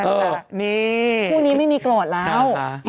พวกนี้ไม่มีกรอดแล้ว